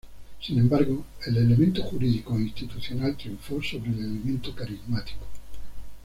Sin embargo, el elemento jurídico e institucional triunfó sobre el elemento carismático.